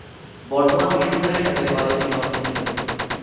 বর্ধমান বিশ্ববিদ্যালয়ের সাথে কলেজটি সংশ্লিষ্ট।